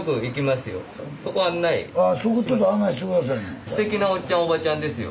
すてきなおっちゃんおばちゃんですよ。